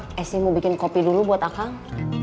sebenar mak esy mau bikin kopi dulu buat akang